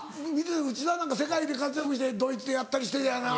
内田なんか世界で活躍してドイツでやったりしててやな。